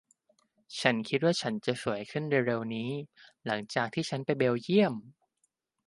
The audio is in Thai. ฉันคิดว่าฉันจะสวยขึ้นเร็ว ๆ นี้หลังจากที่ฉันไปเบลเยี่ยม